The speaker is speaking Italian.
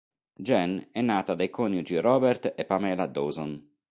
Jen è nata dai coniugi Robert e Pamela Dawson.